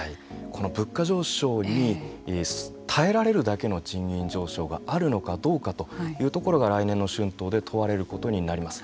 この物価上昇に耐えられるだけの賃金上昇があるのかどうかというところが来年の春闘で問われることになります。